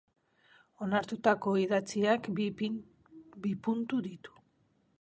Onartutako idatziak bi puntu ditu.